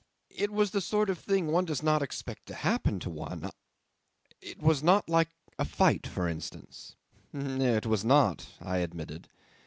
It was the sort of thing one does not expect to happen to one. It was not like a fight, for instance." '"It was not," I admitted.